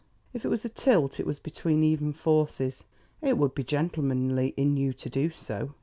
If it was a tilt, it was between even forces. "It would be gentlemanly in you to do so."